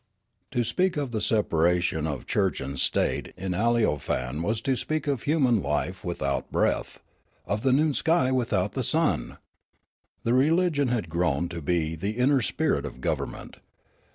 To speak of the separation of church and state in Aleofane was to speak of human life without breath, of the noon sky without the sun. The religion had grown to be the inner spirit of government.